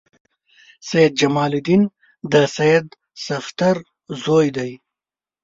سید جمال الدین د سید صفدر زوی دی.